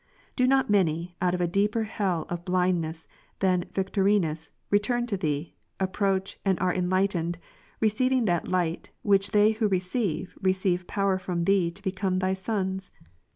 Do not many, out of a deeper hell of blind Cant, i, ness than Victorinus, return to Thee, approach, and are en lightened, receivingthat Z/i^Ai, which ^/<6'y ivho receive, receive John 1, power from Thee to become Thy sons